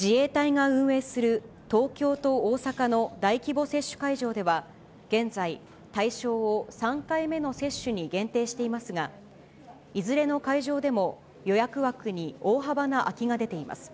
自衛隊が運営する東京と大阪の大規模接種会場では、現在、対象を３回目の接種に限定していますが、いずれの会場でも、予約枠に大幅な空きが出ています。